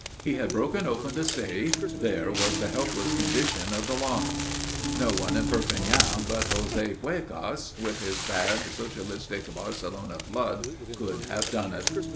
He had broken open the safe there was the helpless condition of the lock. No one in Perpignan, but José Puégas, with his bad, socialistic, Barcelona blood, could have done it.